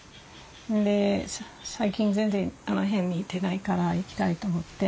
で最近全然あの辺に行ってないから行きたいと思って。